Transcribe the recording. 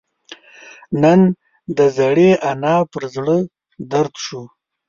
نن د زړې انا پر زړه دړد شو